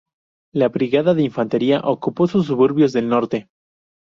La brigada de infantería ocupó sus suburbios del norte.